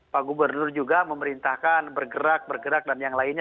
pak gubernur juga memerintahkan bergerak bergerak dan yang lainnya